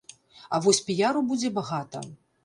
А вось піяру будзе багата.